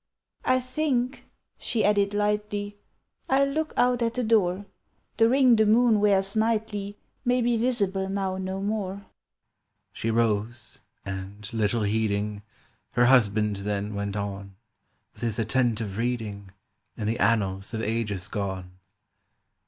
"I think," she added lightly, "I'll look out at the door. The ring the moon wears nightly May be visible now no more." She rose, and, little heeding, Her husband then went on With his attentive reading In the annals of ages gone.